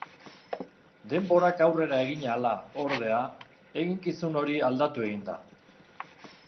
Denborak aurrera egin ahala, ordea, eginkizun hori aldatu egin da.